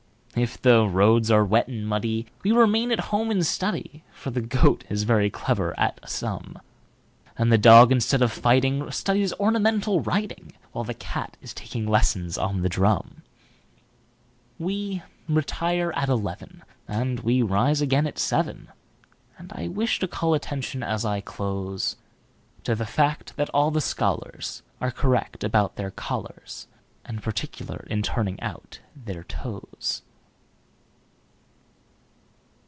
If the roads are wet and muddyWe remain at home and study,—For the Goat is very clever at a sum,—And the Dog, instead of fighting, Studies ornamental writing, While the Cat is taking lessons on the drum. We retire at eleven, And we rise again at seven; And I wish to call attention, as I close, To the fact that all the scholarsAre correct about their collars, And particular in turning out their toes.